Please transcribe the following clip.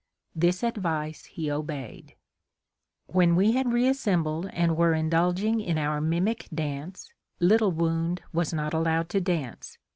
This advice he obeyed. When we had reassembled and were indulging in our mimic dance, Little Wound was not allowed to dance.